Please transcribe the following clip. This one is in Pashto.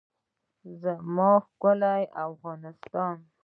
زما ښکلی افغانستان.